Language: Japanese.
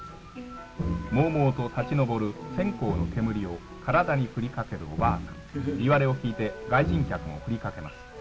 もうもうと立ち上る線香の煙を体にふりかけるおばあさん、いわれを聞いて、外人客もふりかけます。